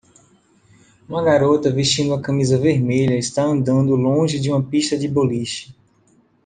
Uma garota vestindo uma camisa vermelha está andando longe de uma pista de boliche.